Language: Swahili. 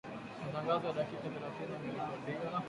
Matangazo ya dakika thelathini yamerekodiwa